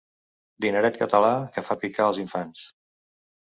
Dineret català que fa picar els infants.